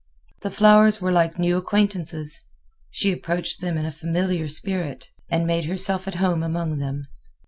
The flowers were like new acquaintances; she approached them in a familiar spirit, and made herself at home among them.